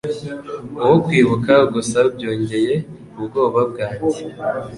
uwo kwibuka gusa byongeye ubwoba bwanjye